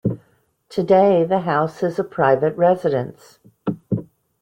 Today the house is a private residence.